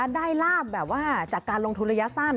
ลาบแบบว่าจากการลงทุนระยะสั้น